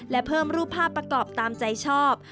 และเพิ่มรูปภาพประกอบตามใจชอบ